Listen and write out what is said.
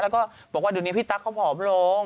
แล้วก็บอกว่าเดี๋ยวนี้พี่ตั๊กเขาผอมลง